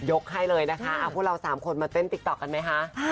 ให้เลยนะคะเอาพวกเรา๓คนมาเต้นติ๊กต๊อกกันไหมคะ